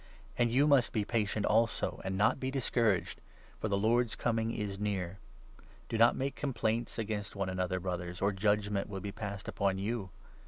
And 8 you must be patient also, and not be discouraged ; for the Lord's Coming is near. Do not make complaints against one 9 another, Brothers, or judgement will be passed upon you.